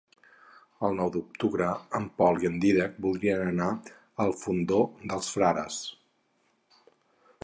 El nou d'octubre en Pol i en Dídac voldrien anar al Fondó dels Frares.